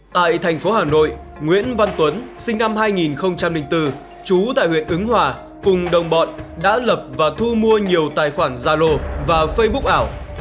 tại thành phố hà nội nguyễn văn tuấn sinh năm hai nghìn bốn chú tại huyện ứng hòa cùng đồng bọn đã lập và thu mua nhiều tài khoản zalo và facebook ảo